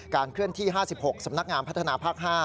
เคลื่อนที่๕๖สำนักงานพัฒนาภาค๕